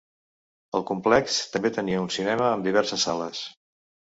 El complex també tenia un cinema amb diverses sales.